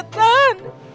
batah lihat jemun